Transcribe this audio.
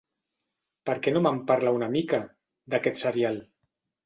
Per què no me'n parla una mica, d'aquest serial?